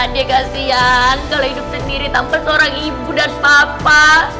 dia kasihan kalau hidup sendiri tanpa seorang ibu dan papa